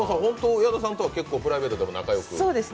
矢田さんとはプライベートでも仲よく？